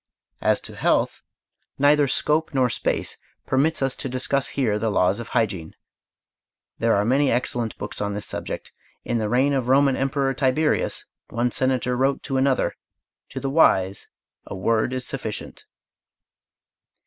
As to health, neither scope nor space permits us to discuss here the laws of hygiene. There are many excellent books on this subject. In the reign of the Roman emperor Tiberius, one senator wrote to another: "To the wise, a word is sufficient."